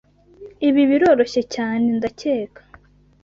Ibi biroroshye cyane, ndakeka.